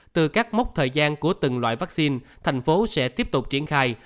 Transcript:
từ các mốc thời gian của từng loại vaccine thành phố sẽ tiếp tục triển khai